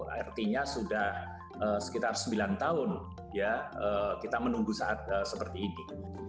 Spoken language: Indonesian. artinya sudah sekitar sembilan tahun ya kita menunggu saat seperti ini